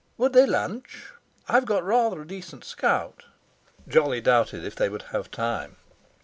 "Would they lunch? I've got rather a decent scout." Jolly doubted if they would have time.